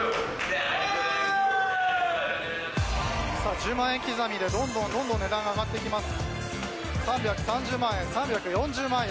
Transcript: １０万円刻みで、どんどん値段が上がっていきます。